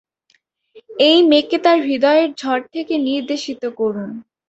এই মেয়েকে তার হৃদয়ের ঝড় থেকে নির্দেশিত করুন।